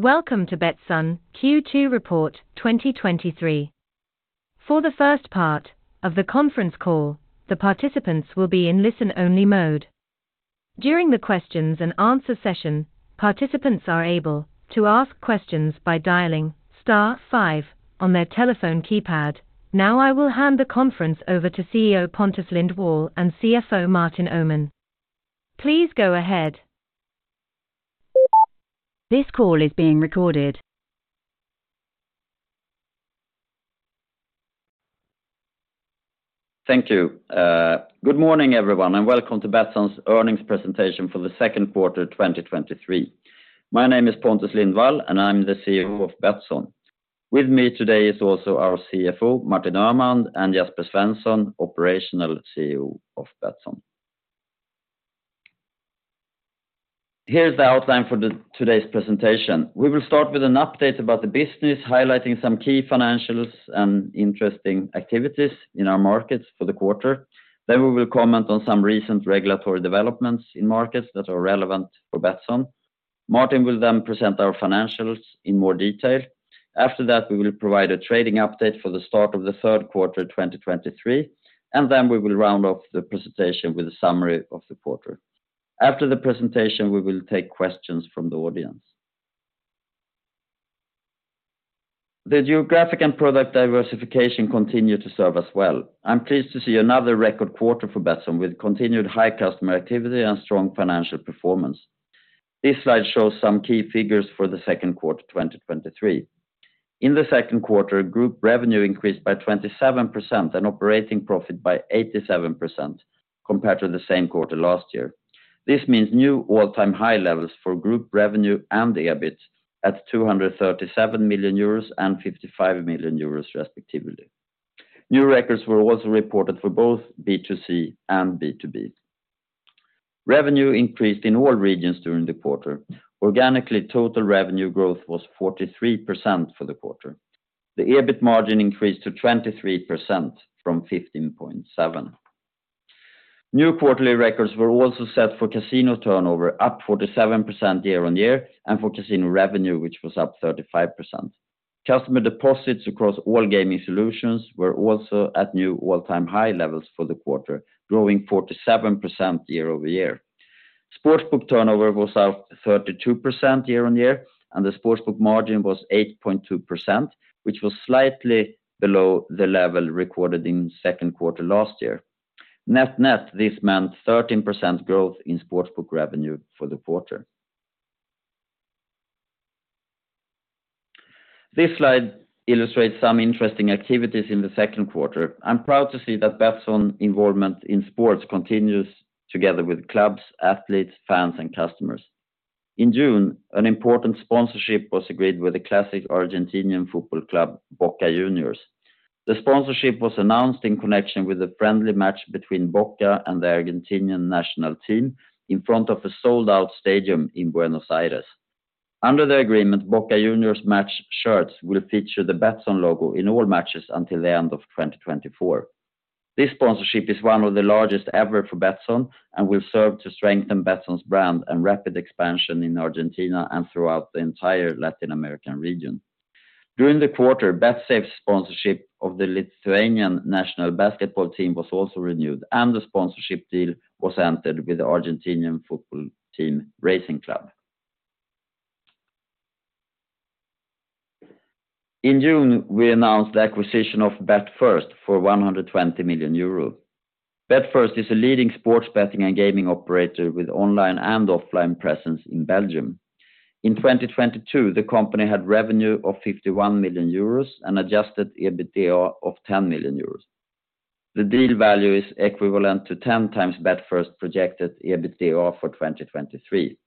Welcome to Betsson Q2 Report 2023. For the first part of the conference call, the participants will be in listen-only mode. During the questions and answer session, participants are able to ask questions by dialing star five on their telephone keypad. Now, I will hand the conference over to CEO Pontus Lindwall and CFO Martin Öhman. Please go ahead. This call is being recorded. Thank you. Good morning, everyone, and welcome to Betsson's earnings presentation for the second quarter of 2023. My name is Pontus Lindwall, and I'm the CEO of Betsson. With me today is also our CFO, Martin Öhman, and Jesper Svensson, Operational CEO of Betsson. Here's the outline for the today's presentation. We will start with an update about the business, highlighting some key financials and interesting activities in our markets for the quarter. We will comment on some recent regulatory developments in markets that are relevant for Betsson. Martin will then present our financials in more detail. After that, we will provide a trading update for the start of the third quarter, 2023, and then we will round off the presentation with a summary of the quarter. After the presentation, we will take questions from the audience. The geographic and product diversification continue to serve us well. I'm pleased to see another record quarter for Betsson, with continued high customer activity and strong financial performance. This slide shows some key figures for the second quarter, 2023. In the second quarter, group revenue increased by 27% and operating profit by 87% compared to the same quarter last year. This means new all-time high levels for group revenue and the EBIT at 237 million euros and 55 million euros, respectively. New records were also reported for both B2C and B2B. Revenue increased in all regions during the quarter. Organically, total revenue growth was 43% for the quarter. The EBIT margin increased to 23% from 15.7%. New quarterly records were also set for casino turnover, up 47% year-on-year, and for casino revenue, which was up 35%. Customer deposits across all gaming solutions were also at new all-time high levels for the quarter, growing 47% year-over-year. Sportsbook turnover was up 32% year-on-year, and the sportsbook margin was 8.2%, which was slightly below the level recorded in second quarter last year. Net-net, this meant 13% growth in sportsbook revenue for the quarter. This slide illustrates some interesting activities in the second quarter. I'm proud to see that Betsson involvement in sports continues together with clubs, athletes, fans, and customers. In June, an important sponsorship was agreed with the classic Argentinian football club, Boca Juniors. The sponsorship was announced in connection with a friendly match between Boca and the Argentinian national team in front of a sold-out stadium in Buenos Aires. Under the agreement, Boca Juniors match shirts will feature the Betsson logo in all matches until the end of 2024. This sponsorship is one of the largest ever for Betsson and will serve to strengthen Betsson's brand and rapid expansion in Argentina and throughout the entire Latin American region. During the quarter, Betsafe's sponsorship of the Lithuanian national basketball team was also renewed, and the sponsorship deal was entered with the Argentinian football team, Racing Club. In June, we announced the acquisition of betFIRST for 120 million euro. betFIRST is a leading sports betting and gaming operator with online and offline presence in Belgium. In 2022, the company had revenue of 51 million euros and adjusted EBITDA of 10 million euros. The deal value is equivalent to 10x betFIRST projected EBITDA for 2023.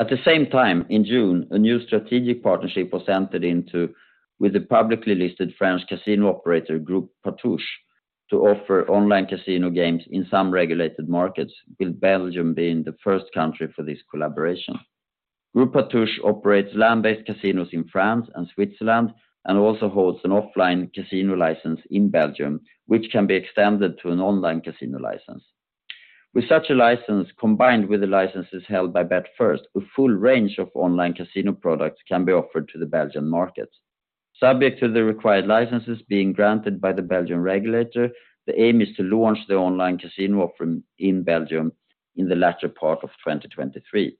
At the same time, in June, a new strategic partnership was entered into with the publicly listed French casino operator, Groupe Partouche, to offer online casino games in some regulated markets, with Belgium being the first country for this collaboration. Groupe Partouche operates land-based casinos in France and Switzerland and also holds an offline casino license in Belgium, which can be extended to an online casino license. With such a license, combined with the licenses held by betFIRST, a full range of online casino products can be offered to the Belgian markets. Subject to the required licenses being granted by the Belgian regulator, the aim is to launch the online casino offering in Belgium in the latter part of 2023.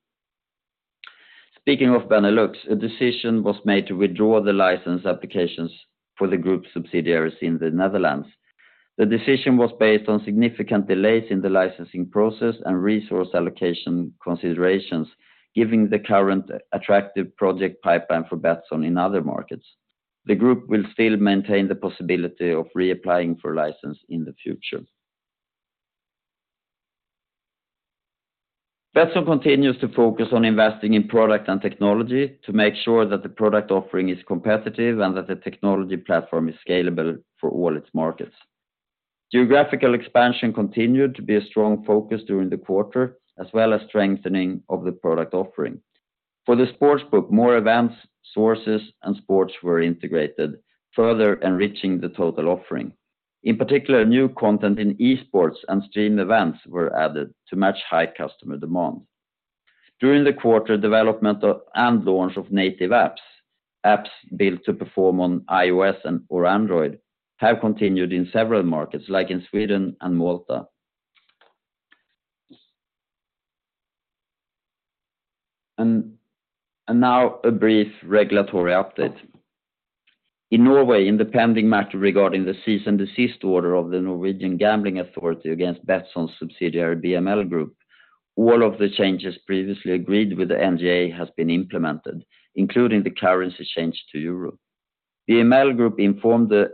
Speaking of Benelux, a decision was made to withdraw the license applications for the group subsidiaries in the Netherlands. The decision was based on significant delays in the licensing process and resource allocation considerations, giving the current attractive project pipeline for Betsson in other markets. The group will still maintain the possibility of reapplying for a license in the future. Betsson continues to focus on investing in product and technology to make sure that the product offering is competitive and that the technology platform is scalable for all its markets. Geographical expansion continued to be a strong focus during the quarter, as well as strengthening of the product offering. For the sportsbook, more events, sources, and sports were integrated, further enriching the total offering. In particular, new content in esports and streamed events were added to match high customer demand. During the quarter, development of, and launch of native apps built to perform on iOS and or Android, have continued in several markets, like in Sweden and Malta. Now a brief regulatory update. In Norway, in the pending matter regarding the cease and desist order of the Norwegian Gambling Authority against Betsson's subsidiary, BML Group, all of the changes previously agreed with the NGA has been implemented, including the currency change to EUR. BML Group informed the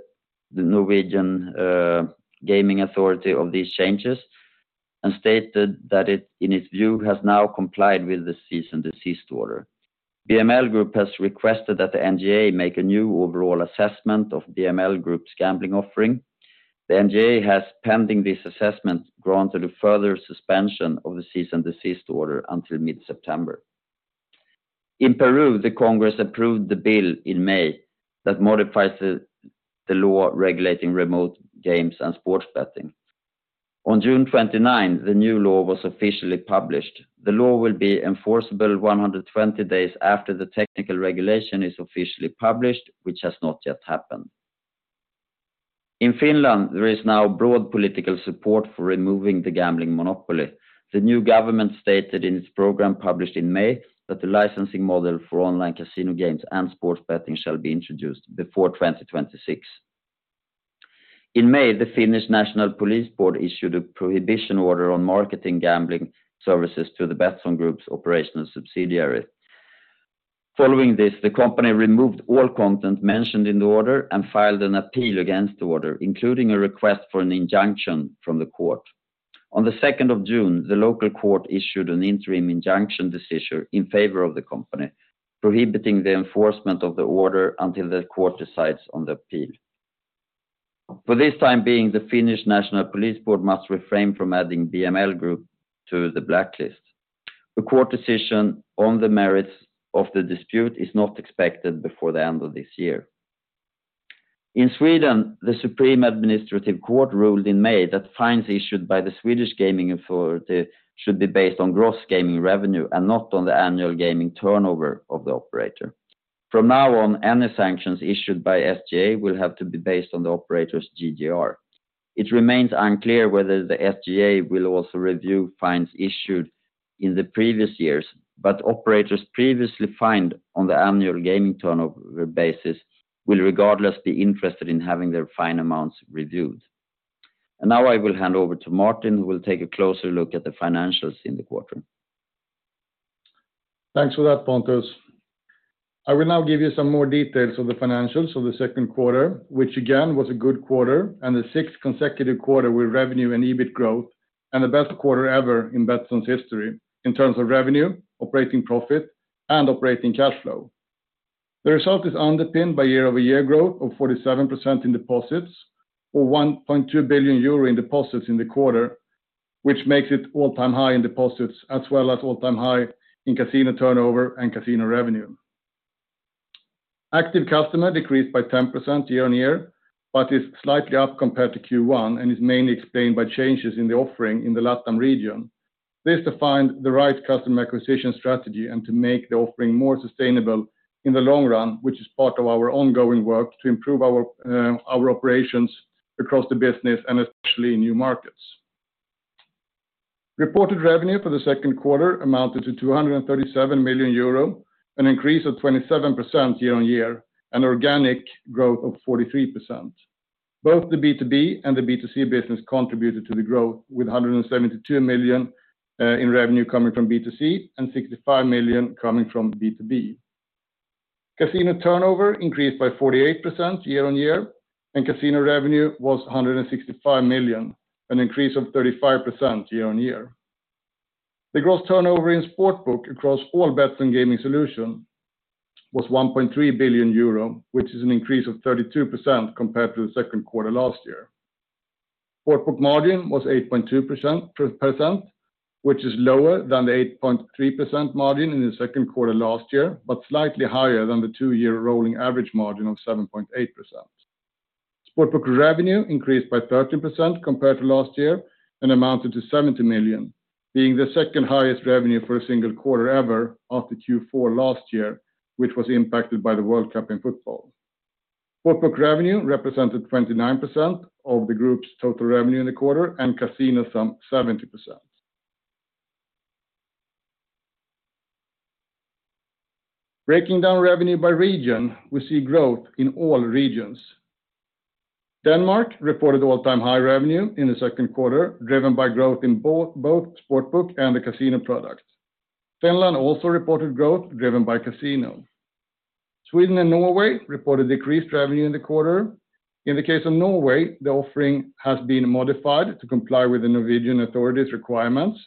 Norwegian Gambling Authority of these changes and stated that it, in its view, has now complied with the cease and desist order. BML Group has requested that the NGA make a new overall assessment of BML Group's gambling offering. The NGA has, pending this assessment, granted a further suspension of the cease and desist order until mid-September. In Peru, the Congress approved the bill in May that modifies the law regulating remote games and sports betting. On June 29, the new law was officially published. The law will be enforceable 120 days after the technical regulation is officially published, which has not yet happened. In Finland, there is now broad political support for removing the gambling monopoly. The new government stated in its program, published in May, that the licensing model for online casino games and sports betting shall be introduced before 2026. In May, the National Police Board issued a prohibition order on marketing gambling services to the Betsson Group's operational subsidiary. The company removed all content mentioned in the order and filed an appeal against the order, including a request for an injunction from the court. On the 2nd of June, the local court issued an interim injunction decision in favor of the company, prohibiting the enforcement of the order until the court decides on the appeal. For this time being, the Finnish National Police Board must refrain from adding BML Group to the blacklist. The court decision on the merits of the dispute is not expected before the end of this year. In Sweden, the Supreme Administrative Court ruled in May that fines issued by the Swedish Gambling Authority should be based on gross gaming revenue and not on the annual gaming turnover of the operator. From now on, any sanctions issued by SGA will have to be based on the operator's GGR. It remains unclear whether the SGA will also review fines issued in the previous years, but operators previously fined on the annual gaming turnover basis will regardless be interested in having their fine amounts reviewed. Now I will hand over to Martin, who will take a closer look at the financials in the quarter. Thanks for that, Pontus. I will now give you some more details of the financials of the second quarter, which again, was a good quarter and the sixth consecutive quarter with revenue and EBIT growth, and the best quarter ever in Betsson's history in terms of revenue, operating profit, and operating cash flow. The result is underpinned by year-over-year growth of 47% in deposits, or 1.2 billion euro in deposits in the quarter, which makes it all-time high in deposits, as well as all-time high in casino turnover and casino revenue. Active customer decreased by 10% year-on-year, but is slightly up compared to Q1, and is mainly explained by changes in the offering in the LATAM region. This defined the right customer acquisition strategy and to make the offering more sustainable in the long run, which is part of our ongoing work to improve our operations across the business and especially in new markets. Reported revenue for the second quarter amounted to 237 million euro, an increase of 27% year-on-year, an organic growth of 43%. Both the B2B and the B2C business contributed to the growth, with 172 million in revenue coming from B2C and 65 million coming from B2B. Casino turnover increased by 48% year-on-year, and casino revenue was 165 million, an increase of 35% year-on-year. The gross turnover in sportsbook across all Betsson gaming solution was 1.3 billion euro, which is an increase of 32% compared to the second quarter last year. Sportsbook margin was 8.2%, which is lower than the 8.3% margin in the second quarter last year, slightly higher than the two year rolling average margin of 7.8%. Sportsbook revenue increased by 13% compared to last year and amounted to 70 million, being the second highest revenue for a single quarter ever after Q4 last year, which was impacted by the World Cup in football. Sportsbook revenue represented 29% of the group's total revenue in the quarter, and casino some 70%. Breaking down revenue by region, we see growth in all regions. Denmark reported all-time high revenue in the second quarter, driven by growth in both sportsbook and the casino products. Finland also reported growth driven by casino. Sweden and Norway reported decreased revenue in the quarter. In the case of Norway, the offering has been modified to comply with the Norwegian authorities' requirements,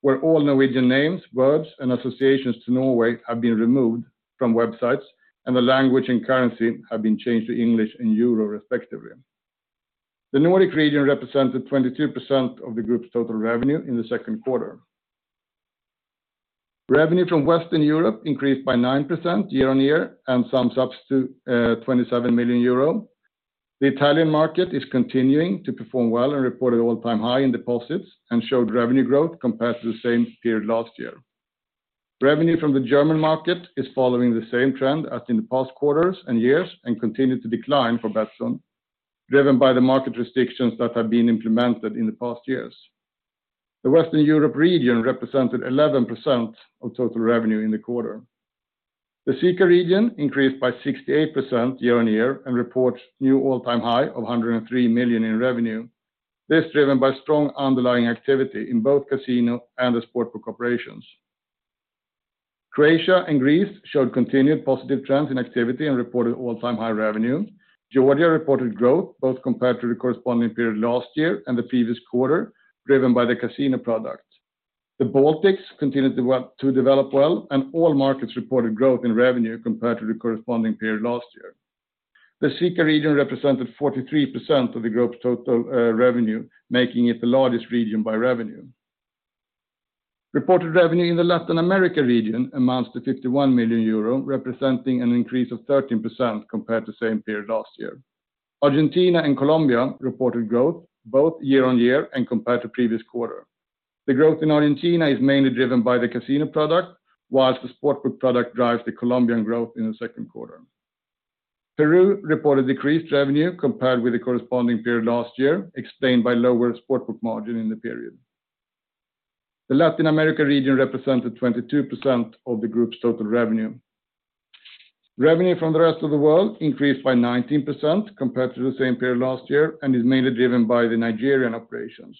where all Norwegian names, verbs, and associations to Norway have been removed from websites, and the language and currency have been changed to English and EUR, respectively. The Nordic region represented 22% of the group's total revenue in the second quarter. Revenue from Western Europe increased by 9% year-on-year, and sums up to 27 million euro. The Italian market is continuing to perform well and reported all-time high in deposits, and showed revenue growth compared to the same period last year. Revenue from the German market is following the same trend as in the past quarters and years, and continued to decline for Betsson, driven by the market restrictions that have been implemented in the past years. The Western Europe region represented 11% of total revenue in the quarter. The CEECA region increased by 68% year-on-year and reports new all-time high of 103 million in revenue. This, driven by strong underlying activity in both casino and the sportsbook operations. Croatia and Greece showed continued positive trends in activity and reported all-time high revenue. Georgia reported growth, both compared to the corresponding period last year and the previous quarter, driven by the casino product. The Baltics continued to develop well, and all markets reported growth in revenue compared to the corresponding period last year. The CEECA region represented 43% of the group's total revenue, making it the largest region by revenue. Reported revenue in the Latin America region amounts to 51 million euro, representing an increase of 13% compared to the same period last year. Argentina and Colombia reported growth, both year-on-year and compared to previous quarter. The growth in Argentina is mainly driven by the casino product, whilst the sportsbook product drives the Colombian growth in the second quarter. Peru reported decreased revenue compared with the corresponding period last year, explained by lower sportsbook margin in the period. The Latin America region represented 22% of the group's total revenue. Revenue from the rest of the world increased by 19% compared to the same period last year, and is mainly driven by the Nigerian operations.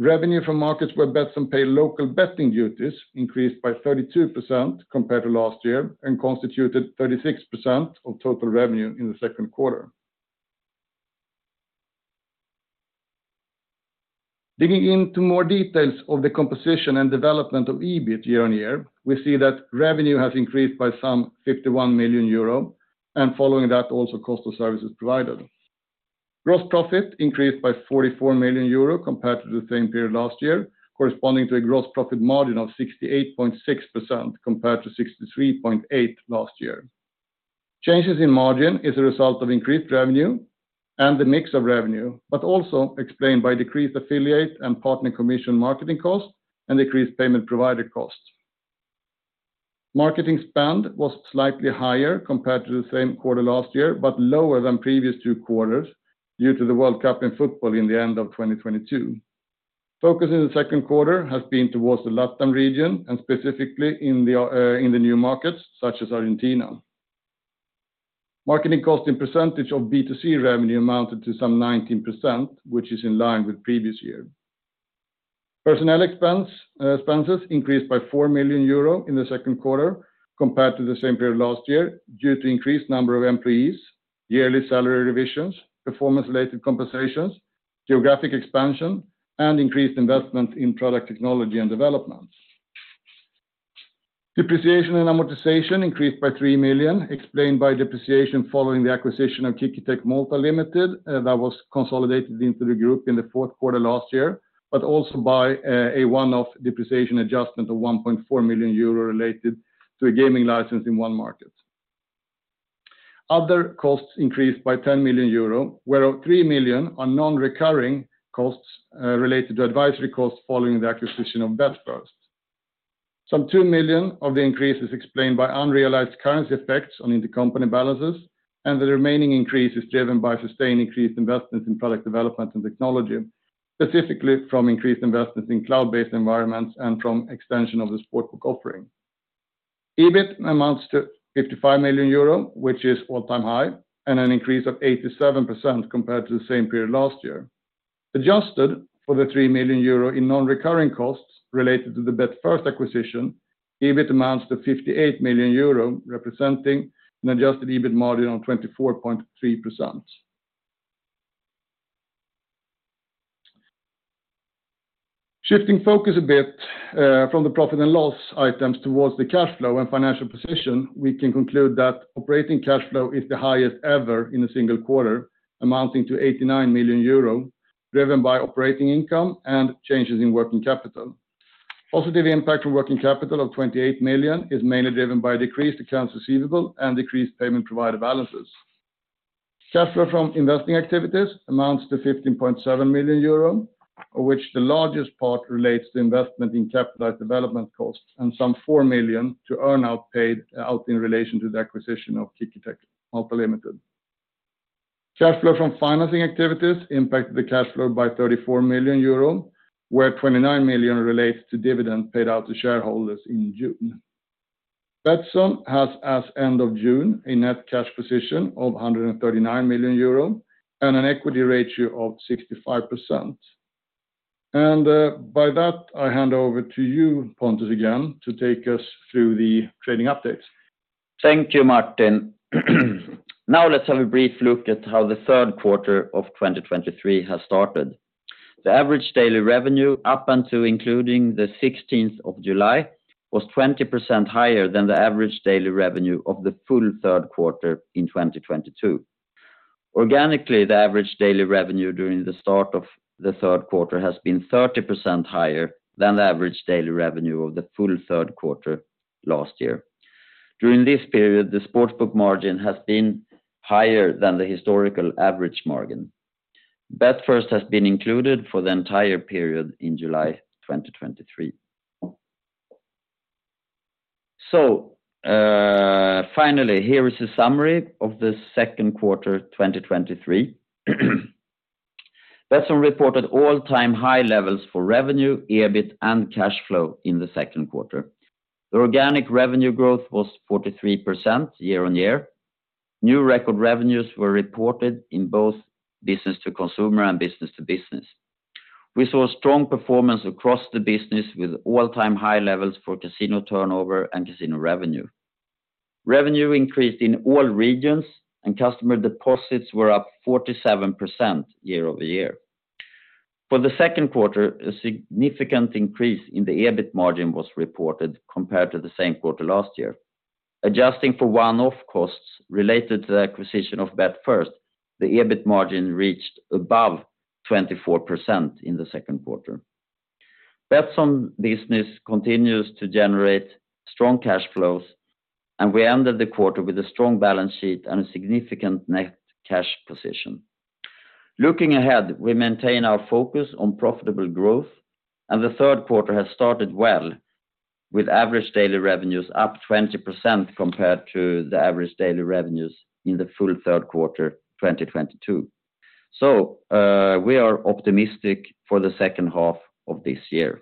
Revenue from markets where Betsson pay local betting duties increased by 32% compared to last year and constituted 36% of total revenue in the second quarter. Digging into more details of the composition and development of EBIT year-on-year, we see that revenue has increased by some 51 million euro, and following that, also cost of services provided. Gross profit increased by 44 million euro compared to the same period last year, corresponding to a gross profit margin of 68.6%, compared to 63.8% last year. Changes in margin is a result of increased revenue and the mix of revenue, but also explained by decreased affiliate and partner commission marketing costs and decreased payment provider costs. Marketing spend was slightly higher compared to the same quarter last year, but lower than previous two quarters due to the World Cup in football in the end of 2022. Focus in the second quarter has been towards the LATAM region, and specifically in the new markets, such as Argentina. Marketing cost in percentage of B2C revenue amounted to some 19%, which is in line with previous year. Personnel expense expenses increased by 4 million euro in the second quarter compared to the same period last year, due to increased number of employees, yearly salary revisions, performance-related compensations, geographic expansion, and increased investment in product technology and developments. Depreciation and amortization increased by 3 million, explained by depreciation following the acquisition of KickerTech Malta Limited, that was consolidated into the group in the fourth quarter last year, but also by a one-off depreciation adjustment of 1.4 million euro related to a gaming license in one market. Other costs increased by 10 million euro, whereof 3 million are non-recurring costs, related to advisory costs following the acquisition of betFIRST. Some 2 million of the increase is explained by unrealized currency effects on intercompany balances, and the remaining increase is driven by sustained increased investments in product development and technology, specifically from increased investments in cloud-based environments and from extension of the sportsbook offering. EBIT amounts to 55 million euro, which is all-time high, and an increase of 87% compared to the same period last year. Adjusted for the 3 million euro in non-recurring costs related to the betFIRST acquisition, EBIT amounts to 58 million euro, representing an adjusted EBIT margin of 24.3%. Shifting focus a bit from the profit and loss items towards the cash flow and financial position, we can conclude that operating cash flow is the highest ever in a single quarter, amounting to 89 million euro, driven by operating income and changes in working capital. Positive impact from working capital of 28 million is mainly driven by decreased accounts receivable and decreased payment provider balances. Cash flow from investing activities amounts to 15.7 million euro, of which the largest part relates to investment in capitalized development costs and some 4 million to earn out paid out in relation to the acquisition of KickerTech Malta Limited. Cash flow from financing activities impacted the cash flow by 34 million euro, where 29 million relates to dividend paid out to shareholders in June. Betsson has, as end of June, a net cash position of 139 million euro and an equity ratio of 65%. By that, I hand over to you, Pontus, again, to take us through the trading update. Thank you, Martin. Now, let's have a brief look at how the third quarter of 2023 has started. The average daily revenue, up until including the 16th of July, was 20% higher than the average daily revenue of the full third quarter in 2022. Organically, the average daily revenue during the start of the third quarter has been 30% higher than the average daily revenue of the full third quarter last year. During this period, the sportsbook margin has been higher than the historical average margin. betFIRST has been included for the entire period in July 2023. Finally, here is a summary of the second quarter 2023. Betsson reported all-time high levels for revenue, EBIT, and cash flow in the second quarter. The organic revenue growth was 43% year-on-year. New record revenues were reported in both business to consumer and business to business. We saw strong performance across the business, with all-time high levels for casino turnover and casino revenue. Revenue increased in all regions, and customer deposits were up 47% year-over-year. For the second quarter, a significant increase in the EBIT margin was reported compared to the same quarter last year. Adjusting for one-off costs related to the acquisition of betFIRST, the EBIT margin reached above 24% in the second quarter. Betsson business continues to generate strong cash flows, and we ended the quarter with a strong balance sheet and a significant net cash position. Looking ahead, we maintain our focus on profitable growth, and the third quarter has started well, with average daily revenues up 20% compared to the average daily revenues in the full third quarter, 2022. We are optimistic for the second half of this year.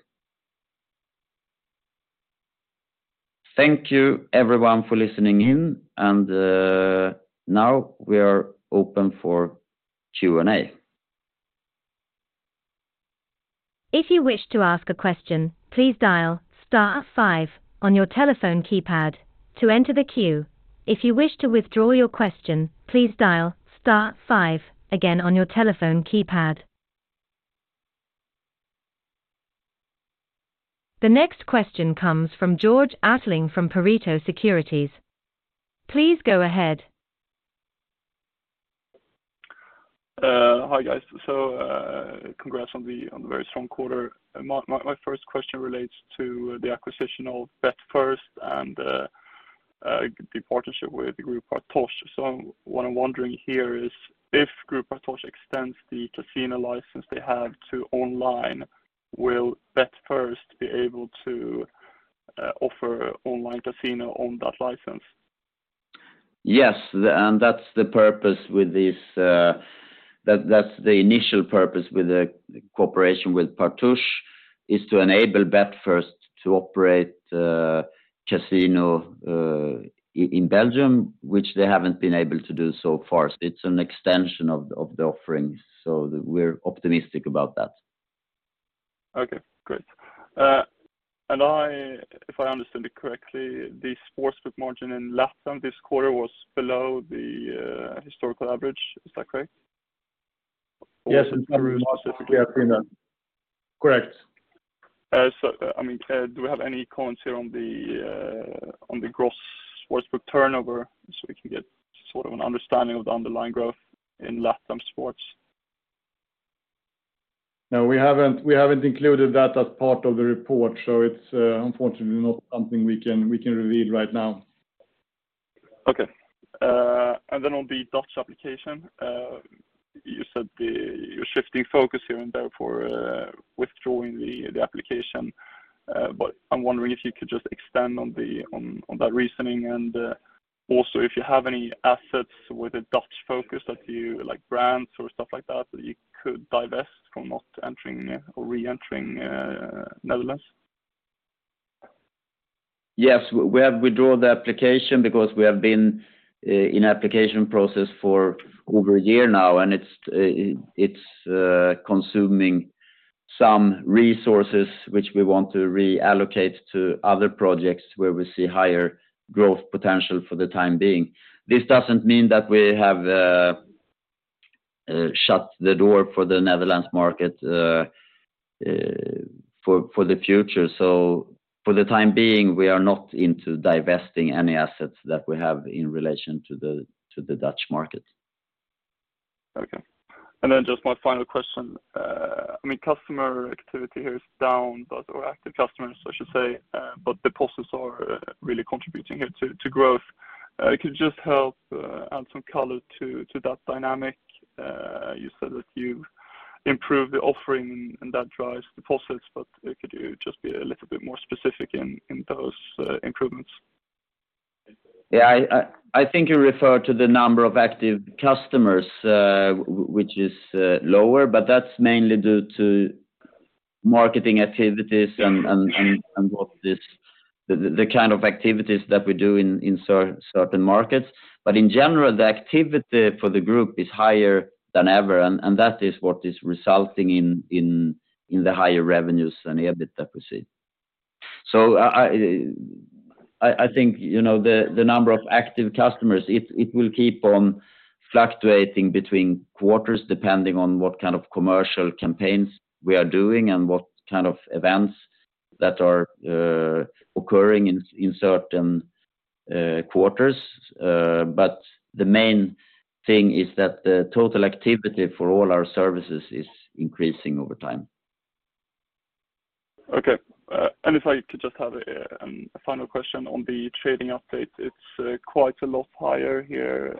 Thank you, everyone, for listening in, and, now we are open for Q&A. If you wish to ask a question, please dial star five on your telephone keypad to enter the queue. If you wish to withdraw your question, please dial star five again on your telephone keypad. The next question comes from Georg Attling from Pareto Securities. Please go ahead. Hi, guys. Congrats on the very strong quarter. My first question relates to the acquisition of betFIRST and the partnership with the Groupe Partouche. What I'm wondering here is, if Groupe Partouche extends the casino license they have to online, will betFIRST be able to offer online casino on that license? Yes, that's the purpose with this, that's the initial purpose with the cooperation with Partouche, is to enable betFIRST to operate, casino, in Belgium, which they haven't been able to do so far. It's an extension of the, of the offerings, we're optimistic about that. Okay, great. If I understand it correctly, the sportsbook margin in LATAM this quarter was below the historical average. Is that correct? Yes, it's true. Correct. I mean, do we have any comments here on the gross sportsbook turnover so we can get sort of an understanding of the underlying growth in LATAM sports? No, we haven't, we haven't included that as part of the report. It's unfortunately not something we can, we can reveal right now. Okay. On the Dutch application, you said you're shifting focus here and therefore, withdrawing the application. I'm wondering if you could just expand on that reasoning, and also, if you have any assets with a Dutch focus that you, like, brands or stuff like that you could divest from not entering, or reentering, Netherlands? Yes, we have withdrawn the application because we have been in application process for over a year now. It's consuming some resources which we want to reallocate to other projects where we see higher growth potential for the time being. This doesn't mean that we have shut the door for the Netherlands market for the future. For the time being, we are not into divesting any assets that we have in relation to the Dutch market. Okay. Just my final question. I mean, customer activity here is down, but, or active customers, I should say, but deposits are really contributing here to growth. It could just help add some color to that dynamic. You said that you improved the offering and that drives deposits, but could you just be a little bit more specific in those improvements? Yeah, I think you refer to the number of active customers, which is lower, but that's mainly due to marketing activities and of this, the kind of activities that we do in certain markets. In general, the activity for the group is higher than ever, and that is what is resulting in the higher revenues and EBIT that we see. I think, you know, the number of active customers, it will keep on fluctuating between quarters, depending on what kind of commercial campaigns we are doing and what kind of events that are occurring in certain quarters. The main thing is that the total activity for all our services is increasing over time. Okay. If I could just have a final question on the trading update. It's quite a lot higher here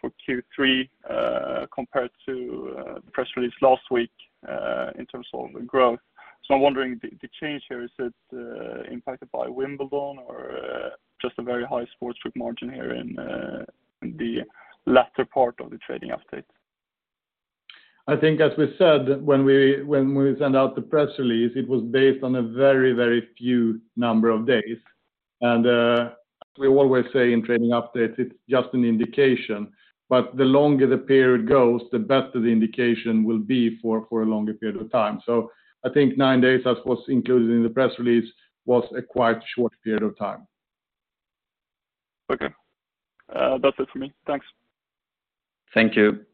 for Q3 compared to the press release last week in terms of the growth. I'm wondering, the change here, is it impacted by Wimbledon or just a very high sports group margin here in the latter part of the trading update? I think, as we said, when we sent out the press release, it was based on a very, very few number of days. We always say in trading updates, it's just an indication, but the longer the period goes, the better the indication will be for a longer period of time. I think nine days, that was included in the press release, was a quite short period of time. Okay. That's it for me. Thanks. Thank you.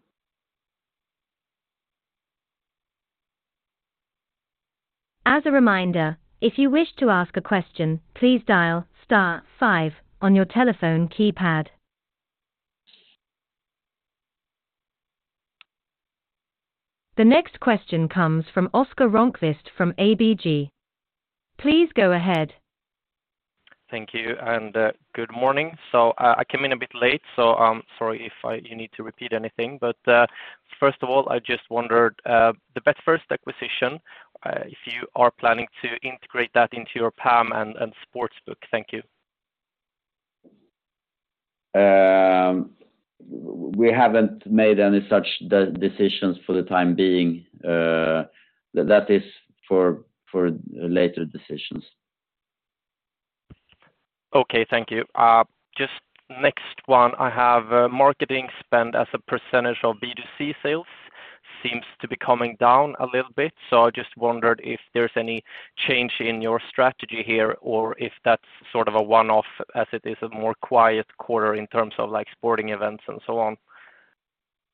As a reminder, if you wish to ask a question, please dial star five on your telephone keypad. The next question comes from Oscar Rönnkvist from ABG. Please go ahead. Thank you, and good morning. I came in a bit late, sorry if you need to repeat anything. First of all, I just wondered, the betFIRST acquisition, if you are planning to integrate that into your PAM and Sportsbook. Thank you. We haven't made any such decisions for the time being. That is for later decisions. Okay, thank you. Just next one. I have marketing spend as a percentage of B2C sales seems to be coming down a little bit. I just wondered if there's any change in your strategy here, or if that's sort of a one-off, as it is a more quiet quarter in terms of, like, sporting events and so on.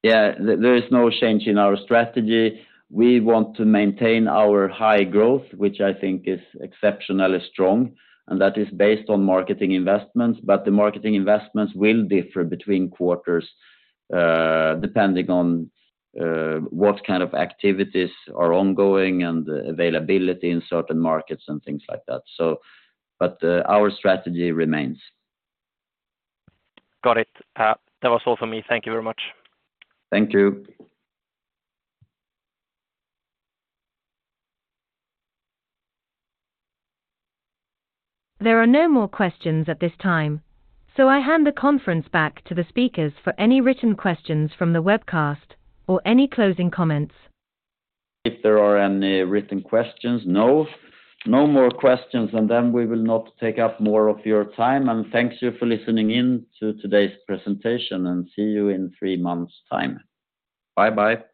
There is no change in our strategy. We want to maintain our high growth, which I think is exceptionally strong, and that is based on marketing investments. The marketing investments will differ between quarters, depending on what kind of activities are ongoing and availability in certain markets and things like that. Our strategy remains. Got it. That was all for me. Thank you very much. Thank you. There are no more questions at this time, so I hand the conference back to the speakers for any written questions from the webcast or any closing comments. If there are any written questions? No. No more questions. We will not take up more of your time. Thank you for listening in to today's presentation, and see you in three months' time. Bye-bye.